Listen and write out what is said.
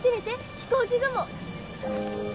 飛行機雲！